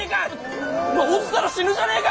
「落ちたら死ぬじゃねえか！